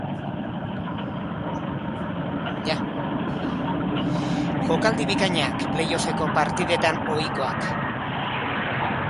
Jokaldi bikainak, playoffeko partidetan ohikoak.